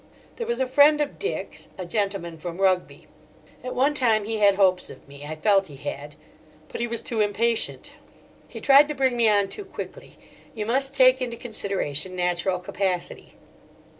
There was a friend of Dick's, a gentleman from Rugby. At one time he had hopes of me; I felt he had. But he was too impatient. He tried to bring me on too quickly. You must take into consideration natural capacity.